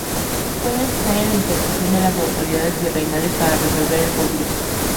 Fue necesaria la intervención de las autoridades virreinales para resolver el conflicto.